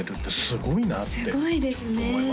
すごいですね